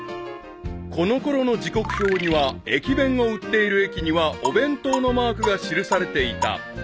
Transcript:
［このころの時刻表には駅弁を売っている駅にはお弁当のマークが記されていた］